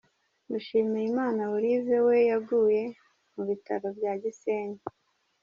Mushimiyimana Olive we yaguye mu Bitaro bya Gisenyi.